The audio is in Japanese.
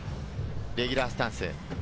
レギュラースタンス。